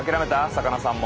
魚さんも。